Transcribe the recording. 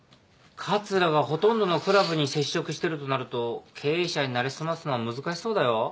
桂がほとんどのクラブに接触してるとなると経営者に成り済ますのは難しそうだよ。